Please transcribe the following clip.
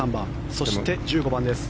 そして、１５番です。